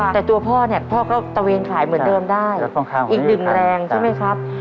แต่ตัวพ่อเนี่ยพ่อก็ตะเวนขายเหมือนเดิมได้อีกหนึ่งแรงใช่ไหมครับ